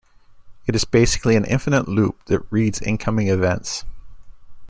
It is basically an infinite loop that reads incoming events.